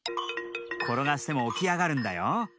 ころがしてもおきあがるんだよ。